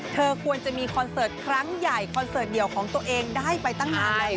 เธอควรจะมีคอนเสิร์ตครั้งใหญ่คอนเสิร์ตเดียวของตัวเองได้ไปตั้งนานแล้ว